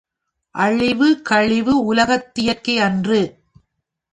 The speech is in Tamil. அழிவு கழிவு உலகத்தியற்கையன்று.